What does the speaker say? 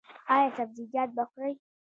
ایا سبزیجات به خورئ؟